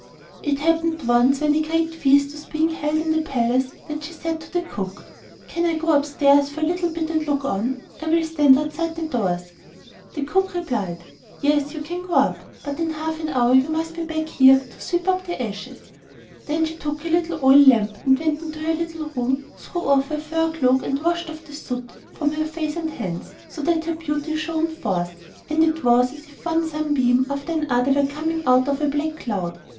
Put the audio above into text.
It happened once when a great feast was being held in the palace, that she said to the cook, 'Can I go upstairs for a little bit and look on? I will stand outside the doors.' The cook replied, 'Yes, you can go up, but in half an hour you must be back here to sweep up the ashes.' Then she took her little oil lamp, and went into her little room, drew off her fur cloak, and washed off the soot from her face and hands, so that her beauty shone forth, and it was as if one sunbeam after another were coming out of a black cloud.